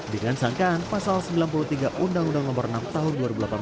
dengan sangkaan pasal sembilan puluh tiga undang undang nomor enam tahun dua ribu delapan belas